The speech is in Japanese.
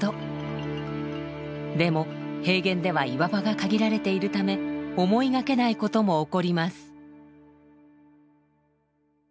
でも平原では岩場が限られているため思いがけないことも起こります。